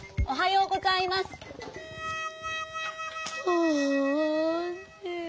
おはよう。